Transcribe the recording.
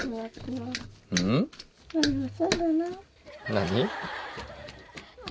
何？